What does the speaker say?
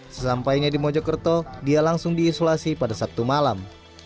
sesampainya di mojokerto dia langsung diisolasi pada sabtu malam